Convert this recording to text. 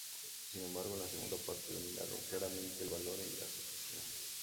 Sin embargo, en la segunda parte dominaron claramente el balón y las ocasiones.